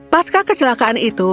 pasca kecelakaan itu